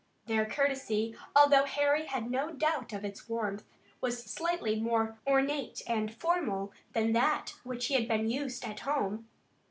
Their courtesy, although Harry had no doubt of its warmth, was slightly more ornate and formal than that to which he had been used at home.